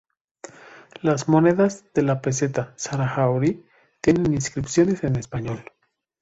Las monedas de la peseta saharaui tienen inscripciones en español.